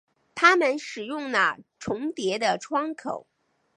他们使用了重叠的窗口。